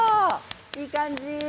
いい感じ。